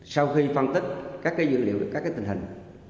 sau khi phân tích các dữ liệu các tình hình